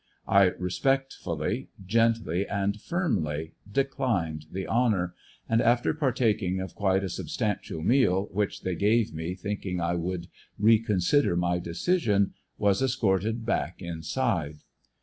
I respectfully, gently and firmly declined the honor, and after partaking of quite a substan tial meal, which the}^ gave me thinking I would reconsider my decision, was escorted back inside.